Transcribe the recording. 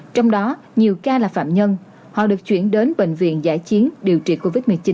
trong đó nhiều ca là phạm nhân họ được chuyển đến bệnh viện giải chiến điều trị covid một mươi chín